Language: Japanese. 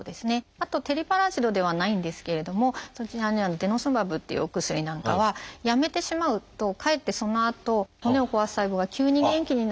あとテリパラチドではないんですけれどもそちらにある「デノスマブ」っていうお薬なんかはやめてしまうとかえってそのあと骨を壊す細胞が急に元気になって。